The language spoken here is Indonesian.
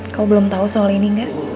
kalo belum tau soal ini